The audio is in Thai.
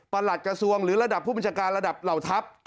หลัดกระทรวงหรือระดับผู้บัญชาการระดับเหล่าทัพ